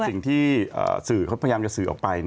สิ่งที่สื่อเขาพยายามจะสื่อออกไป